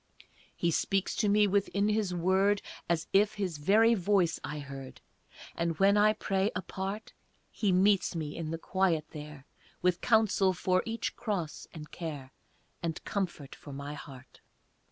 He speaks to me within His word As if His very voice I heard, And when I pray, apart, He meets me in the quiet there With counsel for each cross and care, And comfort for my heart.